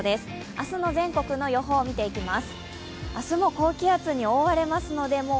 明日の全国の予報見ていきます。